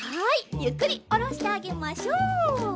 ゆっくりおろしてあげましょう。